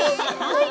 はい。